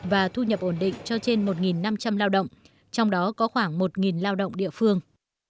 và thu nhập ổn định cho trên một năm trăm linh lao động trong đó có khoảng một lao động địa phương